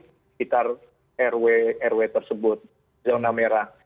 sekitar rw rw tersebut zona merah